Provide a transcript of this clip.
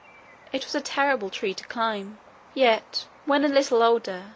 It was a terrible tree to climb, yet, when a little older.